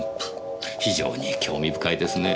非常に興味深いですねぇ。